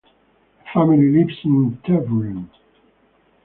The family lives in Tervuren.